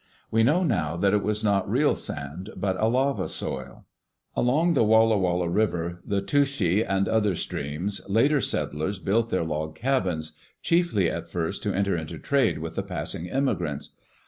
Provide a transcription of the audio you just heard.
We know now that it is not real sand, but a lava soil. Along the Walla Walla River, the Touchet, and other streams, later settlers built their log cabins, chiefly at first to enter into trade with the passing immigrants.